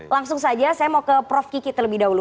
langsung saja saya mau ke prof kiki terlebih dahulu